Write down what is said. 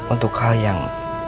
untuk hal yang